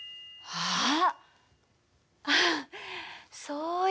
あっ